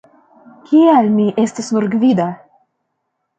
Kial mi estas "nur gvida"?